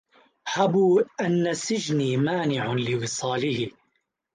هبوا أن سجني مانع لوصاله